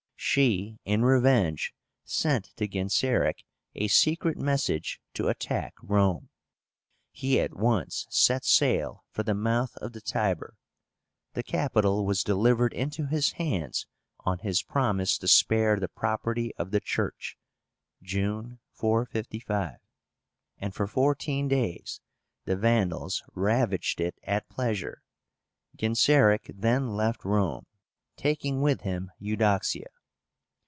She in revenge sent to Genseric a secret message to attack Rome. He at once set sail for the mouth of the Tiber. The capital was delivered into his hands on his promise to spare the property of the Church (June, 455), and for fourteen days the Vandals ravaged it at pleasure. Genseric then left Rome, taking with him Eudoxia.